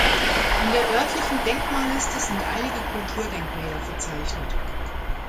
In der örtlichen Denkmalliste sind einige Kulturdenkmäler verzeichnet.